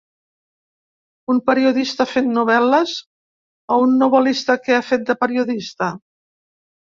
Un periodista fent novel·les o un novel·lista que ha fet de periodista?